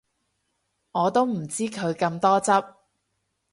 我都唔知佢咁多汁